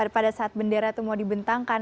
pada saat bendera itu mau dibentangkan